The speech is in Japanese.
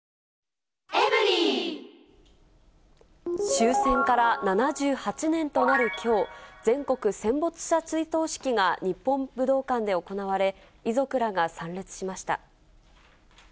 終戦から７８年となるきょう、全国戦没者追悼式が日本武道館で行われ、遺族らが参列しました。